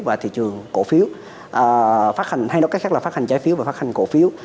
và thị trường cổ phiếu hay nói cách khác là phát hành trái phiếu và phát hành cổ phiếu